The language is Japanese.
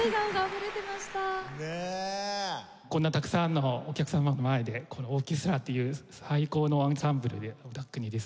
こんなたくさんのお客様の前でこのオーケストラという最高のアンサンブルでバックにですね